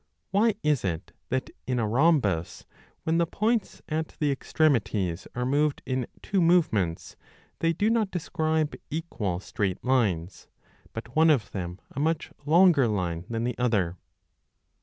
Why is it that in a rhombus, when the points at the extremities are moved in two movements, they do not describe equal straight lines, but one of them a much longer line than the other